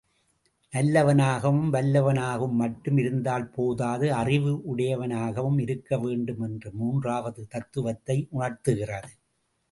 நல்லவனாகவும் வல்லவனாகவும் மட்டும் இருந்தால்போதாது அறிவு உடையவனாகவும் இருக்க வேண்டும் என்ற மூன்றாவது தத்துவத்தை உணர்த்துகிறது.